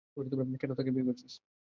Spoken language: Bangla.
কেন তাকে বিয়ে করছিস?